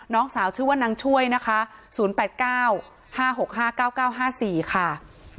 น้องสาวชื่อว่านางช่วยนะคะ๐๘๙๕๖๕๙๙๕๔ค่ะ